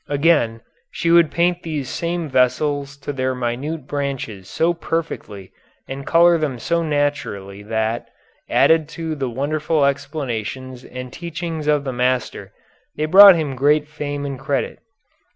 Again, she would paint these same vessels to their minute branches so perfectly and color them so naturally that, added to the wonderful explanations and teachings of the master, they brought him great fame and credit."